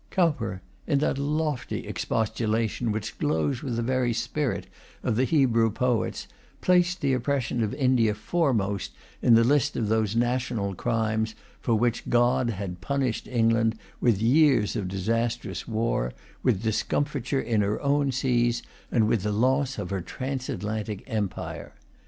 Cowper, in that lofty expostulation which glows with the very spirit of the Hebrew poets, placed the oppression of India foremost in the list of those national crimes for which God had punished England with years of disastrous war, with discomfiture in her own seas, and with the loss of her transatlantic empire.